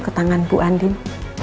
ke tangan bu anding